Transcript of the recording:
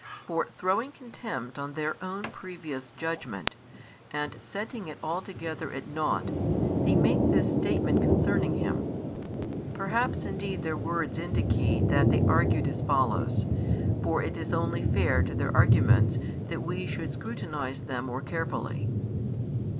For, throwing contempt on their own previous judgment, and setting it altogether at naught, they make this statement concerning Him. Perhaps indeed their words indicate that they argued as follows; for it is only fair to their arguments that we should scrutinise them more carefully.